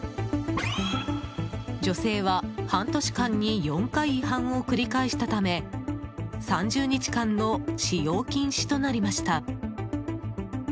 女性は半年間に４回違反を繰り返したため３０日間の使用禁止となりました。